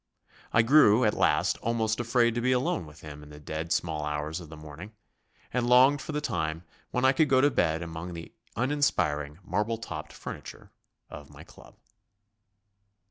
I grew, at last, almost afraid to be alone with him in the dead small hours of the morning, and longed for the time when I could go to bed among the uninspiring, marble topped furniture of my club.